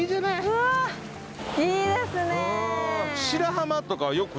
うわいいですね。